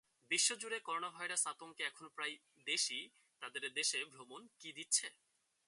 বিশ্বজুড়ে করোনাভাইরাস আতঙ্কে এখন প্রায় দেশই তাদের দেশে ভ্রমণ কি দিচ্ছে?